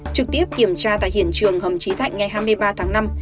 trực tiếp kiểm tra tại hiện trường hầm trí thạnh ngày hai mươi ba tháng năm